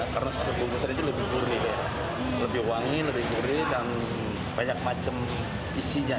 karena sebungkusan itu lebih gurih lebih wangi lebih gurih dan banyak macam isinya